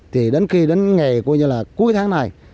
thì đến khi đến ngày cuối tháng này